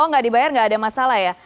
oh nggak dibayar nggak ada masalah ya